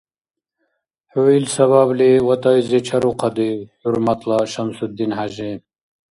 ХӀу ил сабабли ватӀайзи чарухъадив, хӀурматла ШамсудинхӀяжи?